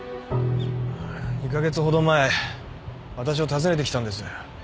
２カ月ほど前私を訪ねてきたんです。